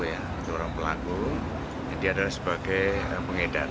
yang dia adalah sebagai pengedar